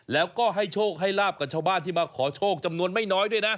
แล้วก็ให้โชคให้ลาบกับชาวบ้านที่มาขอโชคจำนวนไม่น้อยด้วยนะ